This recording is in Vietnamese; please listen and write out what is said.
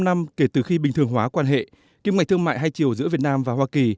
sáu mươi năm năm kể từ khi bình thường hóa quan hệ kim ngạch thương mại hai chiều giữa việt nam và hoa kỳ